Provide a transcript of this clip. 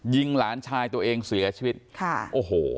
หลานชายตัวเองเสียชีวิตค่ะโอ้โห